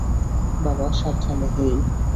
বাবা, সাবধানে হেই!